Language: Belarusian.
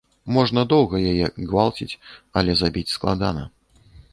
Можна доўга яе гвалціць, але забіць складана.